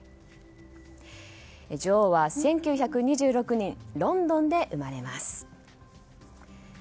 女王は１９２６年ロンドンで生まれます。